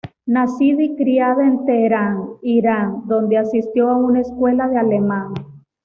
Nacida y criada en Teherán, Irán, donde asistió a una escuela de alemán.